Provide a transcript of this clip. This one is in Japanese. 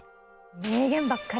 名言ばっかり！